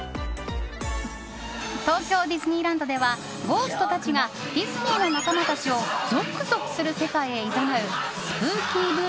東京ディズニーランドではゴーストたちがディズニーの仲間たちをぞくぞくする世界へいざなうスプーキー“Ｂｏｏ！”